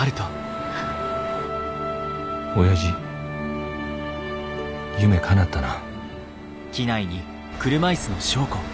おやじ夢かなったな。